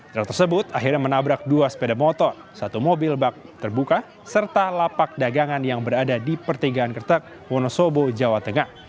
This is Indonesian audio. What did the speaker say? truk tersebut akhirnya menabrak dua sepeda motor satu mobil bak terbuka serta lapak dagangan yang berada di pertigaan kertek wonosobo jawa tengah